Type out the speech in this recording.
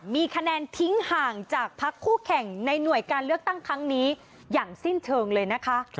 มีคะแนนทิ้งห่างจากพักคู่แข่งในหน่วยการเลือกตั้งครั้งนี้อย่างสิ้นเชิงเลยนะคะ